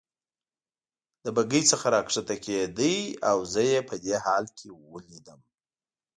له بګۍ څخه راکښته کېده او زه یې په دې حال کې ولید.